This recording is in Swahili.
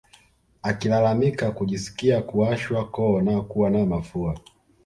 Akilalamika kujisikia kuwashwa koo na kuwa na mafua